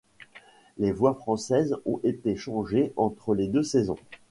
Les voix françaises ont été changées entre les deux saisons.